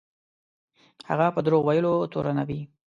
هغه په دروغ ویلو تورنوي.